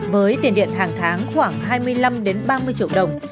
với tiền điện hàng tháng khoảng hai mươi năm ba mươi triệu đồng